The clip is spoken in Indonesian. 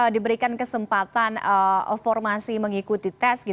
diberikan kesempatan formasi mengikuti tes